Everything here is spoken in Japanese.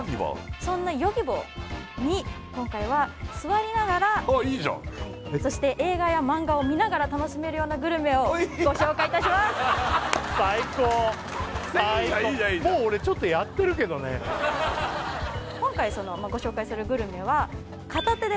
そんなＹｏｇｉｂｏに今回は座りながらいいじゃんそして映画や漫画を見ながら楽しめるようなグルメをご紹介いたしますいいじゃんいいじゃんいいじゃんもう俺ちょっとやってるけどねそれは無理だよ